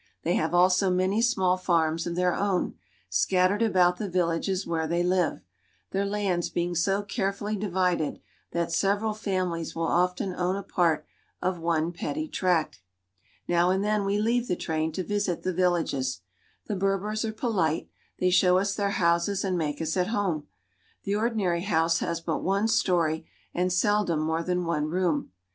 They have also many small farms of their own, scattered about the villages where they live, their lands being so carefully divided that several families will often own a part of one petty tract. Now and then we leave the train to visit the villages. The Berbers are polite ; they show us their houses and make us at home. The ordinary house has but one story, and seldom more than one room.